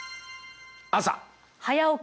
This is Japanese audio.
朝。